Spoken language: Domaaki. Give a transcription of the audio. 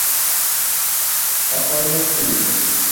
اپانس دری